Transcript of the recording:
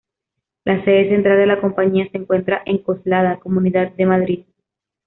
La sede central de la compañía se encuentra en Coslada, Comunidad de Madrid.